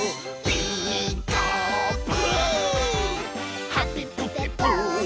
「ピーカーブ！」